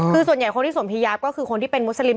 คือส่วนใหญ่คนที่สวมพียาฟก็คือคนที่เป็นมุสลิม